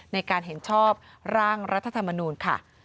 ในการเห็นชอบร่างรัฐธรรมนูลค่ะ